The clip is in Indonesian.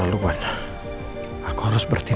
aku harus berpikir aku harus berpikir